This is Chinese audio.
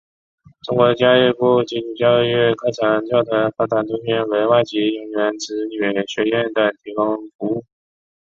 中国教育部基础教育课程教材发展中心为外籍人员子女学校等提供服务。